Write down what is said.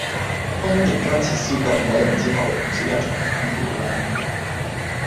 康熙年間撤銷禁海令之後，唔少人重返故鄉